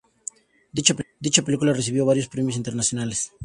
Dicha película recibió varios premios internacionales.